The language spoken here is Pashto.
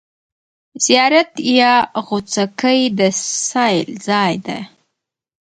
زیارت یا غوڅکۍ د سېل ځای دی.